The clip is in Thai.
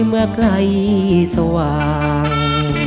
เมื่อกลายสว่าง